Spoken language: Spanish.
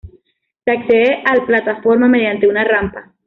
Se accede al plataforma mediante una rampa.